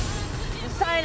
うるさいな！